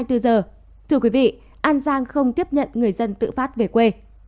thưa quý vị an giang không tiếp nhận người dân tự phát về quê